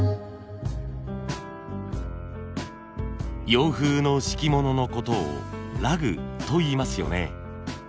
洋風の敷物の事を「ラグ」といいますよね。